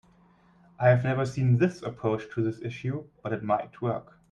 I have never seen this approach to this issue, but it might work.